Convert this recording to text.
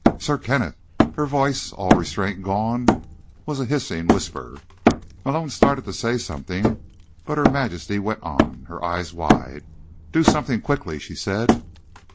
"Sir Kenneth!" Her voice, all restraint gone, was a hissing whisper. Malone started to say something, but Her Majesty went on, her eyes wide. "Do something quickly!" she said.